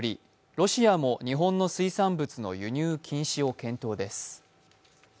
ロシアも日本の水産物の輸入禁止を検討です。